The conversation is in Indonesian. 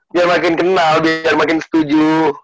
dia makin kenal biar makin setuju